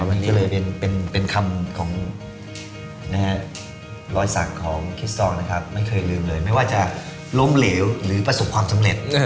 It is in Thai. วันนี้ก็เลยเป็นคำของรอยสักของคิสตองนะครับไม่เคยลืมเลยไม่ว่าจะล้มเหลวหรือประสบความสำเร็จ